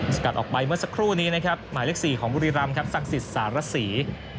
จะกัดออกไปเมื่อสักครู่นี้นะครับหมายเลข๔ของบุริรัมครับศักดิ์ศรีศาสตร์สารสี